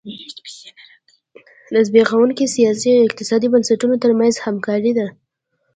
د زبېښونکو سیاسي او اقتصادي بنسټونو ترمنځ همکاري ده.